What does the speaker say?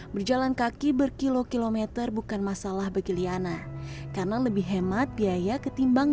berjalan kaki berkilo kilometer bukan masalah bagi liana karena lebih hemat biaya ketimbang